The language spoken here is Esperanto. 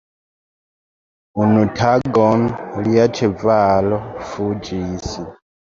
Unu tagon, lia ĉevalo fuĝis.